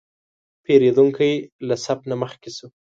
پیرودونکی له صف نه مخکې شو.